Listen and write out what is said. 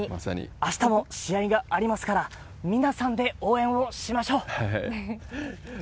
あしたも試合がありますから、皆さんで応援をしましょう。